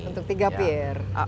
untuk tiga peer